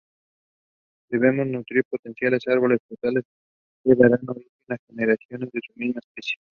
Debemos nutrir "potenciales árboles frutales", que darán origen a generaciones de su misma especie.